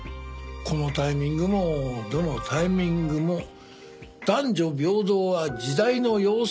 このタイミングもどのタイミングも男女平等は時代の要請。